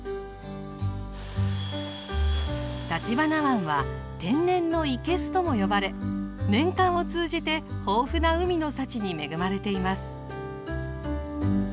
橘湾は「天然のいけす」とも呼ばれ年間を通じて豊富な海の幸に恵まれています。